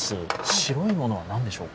白いものはなんでしょうか。